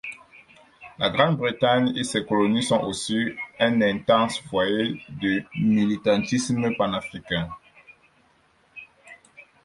La Grande-Bretagne et ses colonies sont aussi un intense foyer de militantisme panafricain.